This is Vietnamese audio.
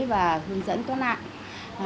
và hướng dẫn có nạn